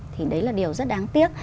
thì đấy là điều rất đáng tiếc